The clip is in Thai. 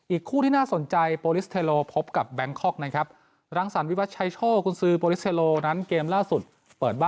คู่ที่น่าสนใจโปรลิสเทโลพบกับแบงคอกนะครับ